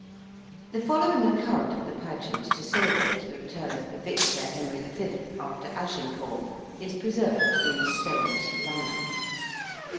The following account of the Pageant to celebrate the return of the victor Henry V. after Agincourt is preserved in Stow's 'London.'